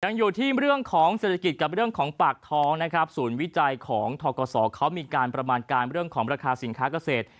อยู่ที่เรื่องของเศรษฐกิจกับเรื่องของปากท้องนะครับศูนย์วิจัยของทกศเขามีการประมาณการเรื่องของราคาสินค้าเกษตร